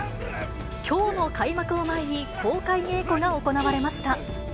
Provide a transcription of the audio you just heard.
きょうの開幕を前に、公開稽古が行われました。